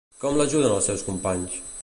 Com l'ajuden els seus companys?